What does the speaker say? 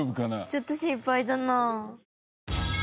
ちょっと心配だな。